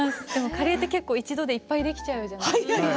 カレーって結構１回でいっぱいできちゃうじゃないですか。